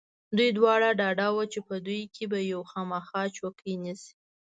دوی دواړه ډاډه و چې په دوی کې به یو خامخا چوکۍ نیسي.